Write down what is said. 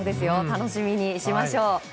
楽しみにしましょう。